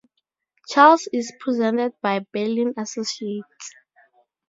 Charles is represented by Berlin Associates.